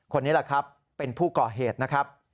คนนี้แหละครับเป็นผู้ก่อเหตุนะครับ